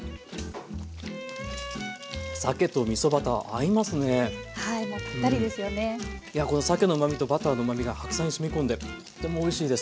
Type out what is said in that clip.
いやこのさけのうまみとバターのうまみが白菜にしみ込んでとってもおいしいです。